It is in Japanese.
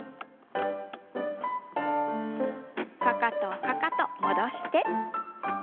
かかとかかと戻して。